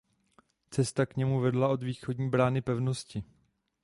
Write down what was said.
Cesta k němu vedla od východní brány pevnosti.